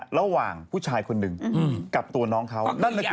ระหว่างผู้ชายคนหนึ่งกับตัวน้องเขา